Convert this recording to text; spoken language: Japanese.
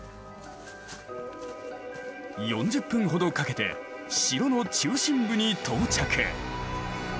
４０分ほどかけて城の中心部に到着。